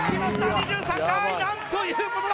２３回何ということだ